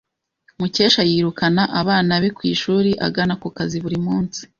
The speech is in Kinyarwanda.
Mukesha yirukana abana be ku ishuri agana ku kazi buri munsi.